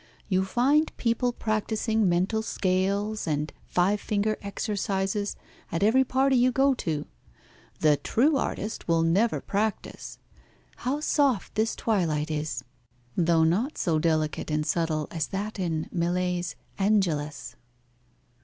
You find people practising mental scales and five finger exercises at every party you go to. The true artist will never practise. How soft this twilight is, though not so delicate and subtle as that in Millet's 'Angelus.'